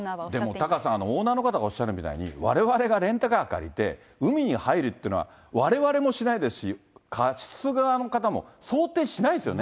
でもタカさん、オーナーの方がおっしゃるみたいに、われわれがレンタカー借りて、海に入るっていうのは、われわれもしないですし、貸す側の方も想定しないですよね。